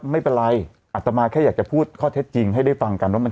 ไม่เป็นไรอัตมาแค่อยากจะพูดข้อเท็จจริงให้ได้ฟังกันว่ามัน